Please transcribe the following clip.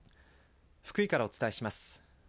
福井からお伝えします。